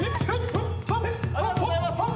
ありがとうございます。